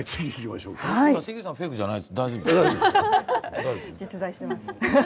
関口さん、フェイクじゃないですか、大丈夫？